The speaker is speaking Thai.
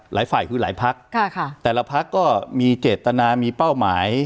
หลายฝ่ายคือหลายพักแต่ละพักก็มีเจตนามีเป้าหมาย